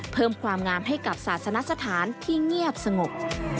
เพิ่มความงามให้กับศาสนสถานที่เงียบสงบ